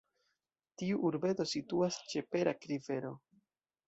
Tiu urbeto situas ĉe Perak Rivero.